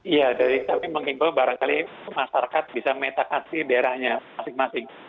iya dari kami mengingat bahwa barangkali masyarakat bisa menetapkan sih daerahnya masing masing